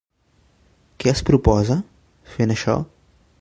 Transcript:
Què es proposa, fent això?